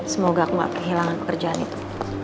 semoga aku gak kehilangan pekerjaan itu